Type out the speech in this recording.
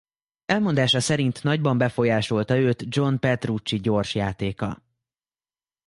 Elmondása szerint nagyban befolyásolta őt John Petrucci gyors játéka.